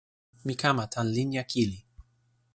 mi kama tan linja kili.